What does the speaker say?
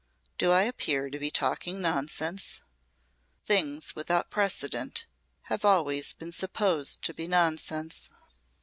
Do I appear to be talking nonsense? Things without precedent have always been supposed to be nonsense."